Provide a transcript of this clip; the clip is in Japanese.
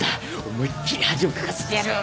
思いっきり恥をかかせてやる！